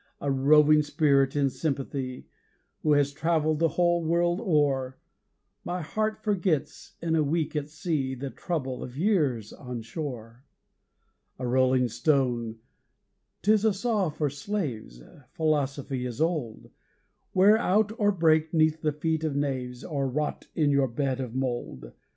A roving spirit in sympathy, Who has travelled the whole world o'er My heart forgets, in a week at sea, The trouble of years on shore. A rolling stone! 'tis a saw for slaves Philosophy false as old Wear out or break 'neath the feet of knaves, Or rot in your bed of mould!